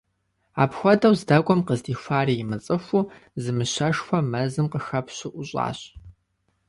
Апхуэдэу здэкӏуэм къыздихуари имыцӏыхуу, зы мыщэшхуэ мэзым къыхэпщу ӏущӏащ.